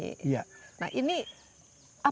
nah ini apa komposisi dari batu batanya